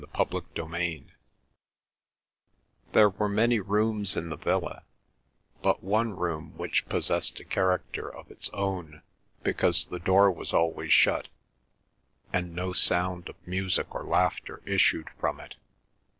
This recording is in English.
CHAPTER XIII There were many rooms in the villa, but one room which possessed a character of its own because the door was always shut, and no sound of music or laughter issued from it.